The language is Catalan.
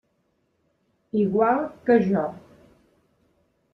Igual que jo.